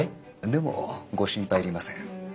でもご心配いりません。